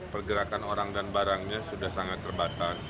pergerakan orang dan barangnya sudah sangat terbatas